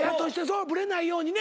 ブレないようにね。